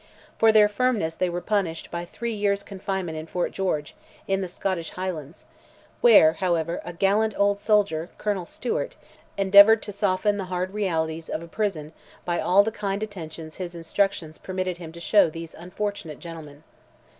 For their firmness they were punished by three years' confinement in Fort George, in the Scottish Highlands, where, however, a gallant old soldier, Colonel Stuart, endeavoured to soften the hard realities of a prison by all the kind attentions his instructions permitted him to show these unfortunate gentlemen.